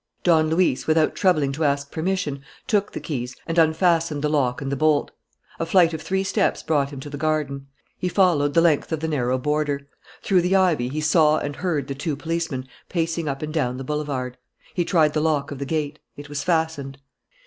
Don Luis, without troubling to ask permission, took the keys and unfastened the lock and the bolt. A flight of three steps brought him to the garden. He followed the length of the narrow border. Through the ivy he saw and heard the two policemen pacing up and down the boulevard. He tried the lock of the gate. It was fastened.